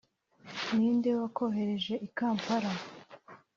ni nde wakohereje i Kampala